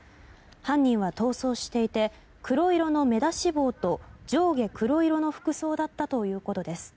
犯人は逃走していて黒色の目出し帽と上下黒色の服装だったということです。